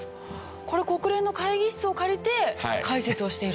これ国連の会議室を借りて解説をしていると。